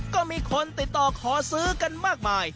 ก็มีคนติดต่อขอซื้อกันมากมาย